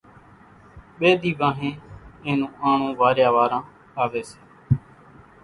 ٻيَ ۮِي وانۿين اين نون آنڻون واريا واران آويَ سي۔